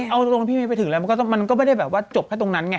เอาตัวบนพี่มาให้ไปถึงแล้วมันก็ไม่ได้แบบจบแค่ตรงนั้นไง